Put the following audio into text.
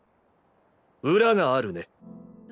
裏があるねッ。